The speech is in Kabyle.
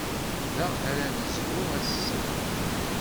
Da ara nezrew ass-a.